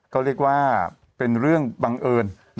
ก็เรียกว่าเป็นเรื่องบังเอิญ